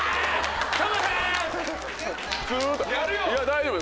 大丈夫。